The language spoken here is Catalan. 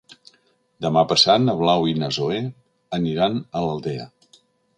Demà passat na Blau i na Zoè aniran a l'Aldea.